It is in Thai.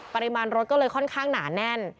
ปริมาณรถก็เลยค่อนข้างหนาแน่น